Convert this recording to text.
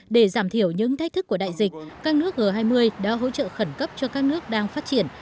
để giảm thiểu những thách thức của đại dịch các nước g hai mươi đã hỗ trợ khẩn cấp cho các nước đang phát triển